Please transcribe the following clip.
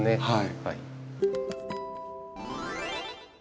はい。